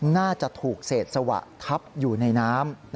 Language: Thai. น่าจะถูกเศษสวะทับอยู่ในน้ำ